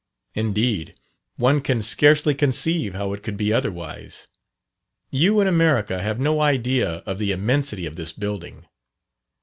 Indeed, one can scarcely conceive how it could be otherwise. You in America have no idea of the immensity of this building.